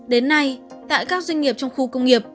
đến nay tại các doanh nghiệp trong khu công nghiệp